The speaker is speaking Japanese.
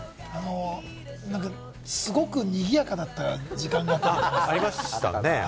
すごくにぎやかだった時間がありましたね。